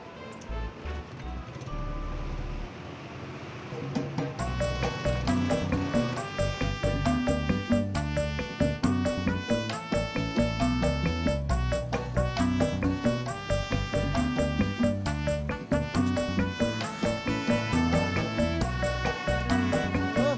makanya gue udah mau curhat